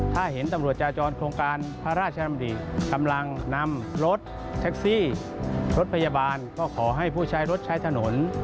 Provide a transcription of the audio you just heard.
ถ้าเห็นตำรวจจาจรโครงการพระราชดำริกำลังนำรถแท็กซี่รถพยาบาลก็ขอให้ผู้ใช้รถใช้ถนน